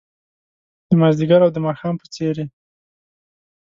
د مازدیګر او د ماښام په څیرې